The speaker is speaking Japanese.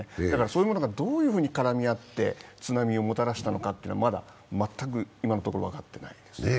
だからそういうものがどういうふうに絡み合って津波をもたらしたのか、まだ全く、今のところ分かってないです。